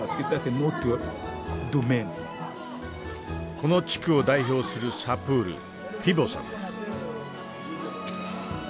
この地区を代表するサプールピヴォさんです。